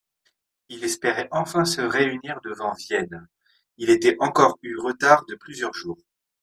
Il espérait enfin se réunir devant Vienne ; il était encore eu retard de plusieurs jours.